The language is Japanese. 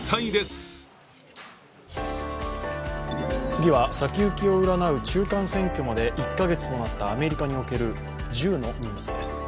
次は、先行きを占う中間選挙まで１か月となったアメリカにおける銃のニュースです。